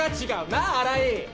なぁ新井。